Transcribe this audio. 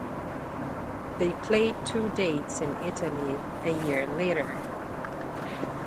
They played two dates in Italy a year later.